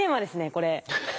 これ。